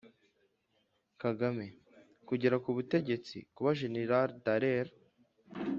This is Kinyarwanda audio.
kagame «kugera ku butegetsi». kuba jenerali dallaire